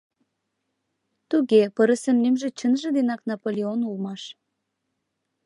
Туге, пырысын лӱмжӧ чынже денак Наполеон улмаш.